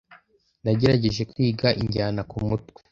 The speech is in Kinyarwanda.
Nagerageje kwiga injyana kumutwe.